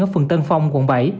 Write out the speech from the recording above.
ở phần tân phong quận bảy